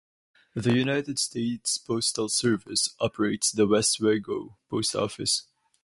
The United States Postal Service operates the Westwego Post Office.